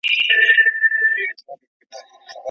سردار اکبرخان خلکو ته لارښوونه وکړه